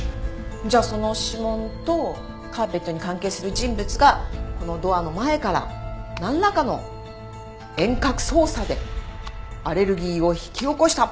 じゃあその指紋とカーペットに関係する人物がこのドアの前からなんらかの遠隔操作でアレルギーを引き起こした。